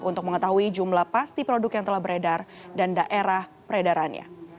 untuk mengetahui jumlah pasti produk yang telah beredar dan daerah peredarannya